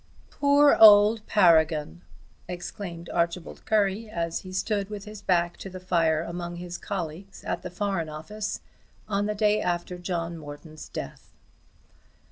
"Poor old Paragon!" exclaimed Archibald Currie, as he stood with his back to the fire among his colleagues at the Foreign Office on the day after John Morton's death.